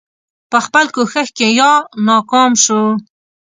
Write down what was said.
په خپل کوښښ کې یا ناکام شو.